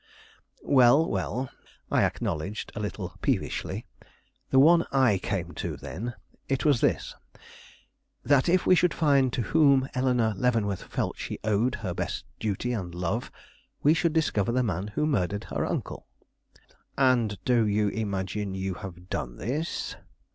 "Well, well," I acknowledged a little peevishly, "the one I came to, then. It was this: that if we could find to whom Eleanore Leavenworth felt she owed her best duty and love, we should discover the man who murdered her uncle." "And do you imagine you have done this?"